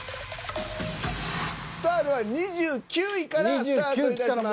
では２９位からスタートいたします。